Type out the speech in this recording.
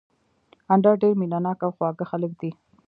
اندړ ډېر مېنه ناک او خواږه خلک دي